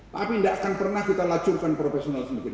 tapi enggak akan pernah kita lancurkan profesionalisme